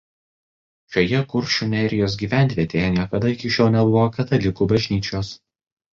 Šioje Kuršių nerijos gyvenvietėje niekada iki šiol nebuvo katalikų bažnyčios.